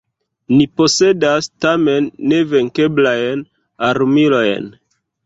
Ni posedas, tamen, nevenkeblajn armilojn.